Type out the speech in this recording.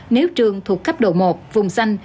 nếu trường thuộc cấp độ một vùng xanh